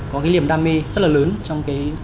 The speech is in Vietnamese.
có cái niềm đam mê rất là lớn trong cái